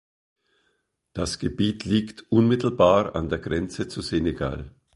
Das Gebiet liegt unmittelbar an der Grenze zu Senegal.